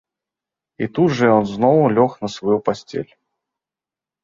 - І тут жа ён зноў лёг на сваю пасцель